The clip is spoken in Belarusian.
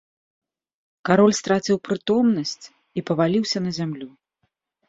Кароль страціў прытомнасць і паваліўся на зямлю.